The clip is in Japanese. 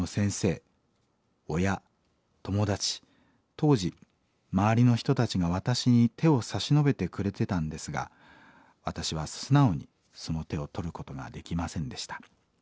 当時周りの人たちが私に手を差し伸べてくれてたんですが私は素直にその手を取ることができませんでした。